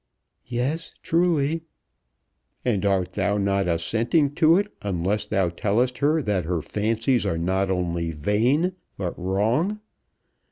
"Yes; truly." "And art thou not assenting to it unless thou tell'st her that her fancies are not only vain, but wrong?